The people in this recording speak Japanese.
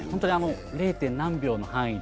０．何秒の範囲で。